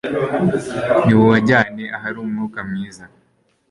Nimubajyane ahari umwuka mwiza,